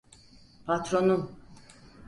Patronun.